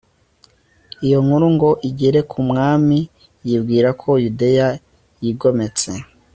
iyo nkuru ngo igere ku mwami, yibwira ko yudeya yigometse